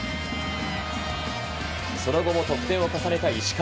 その後も得点を重ねた石川。